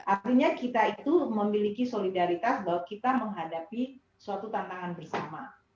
artinya kita itu memiliki solidaritas bahwa kita menghadapi suatu tantangan bersama